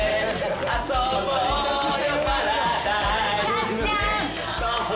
・たっちゃん！